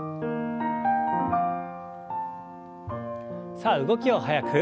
さあ動きを速く。